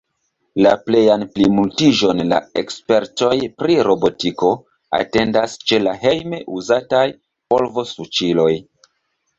La plejan plimultiĝon la ekspertoj pri robotiko atendas ĉe la hejme uzataj polvosuĉiloj.